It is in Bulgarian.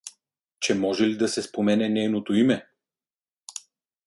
Че може ли да се спомене нейното име?